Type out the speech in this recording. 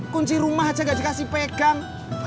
kunci rumah aja gak dikasih pegang